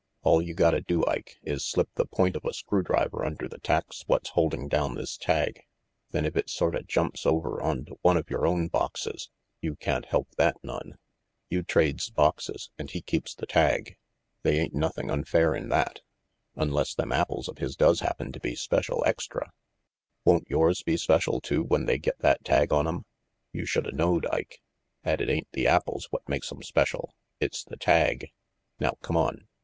"All you RANGY PETE 11 gotta do, Ike, is slip the point of a screwdriver under the tacks what's holding down this tag, then if it sorta jumps over onto one of your own boxes, you can't help that none. You trades boxes and he keeps the tag. They ain't nothing unfair in that." "Unless them apples of his does happen to be special extra " "Won't yours be special too when they get that tag on 'em? You should a knowed, Ike, 'at it ain't the apples what makes 'em special. It's the tag. Now cummon.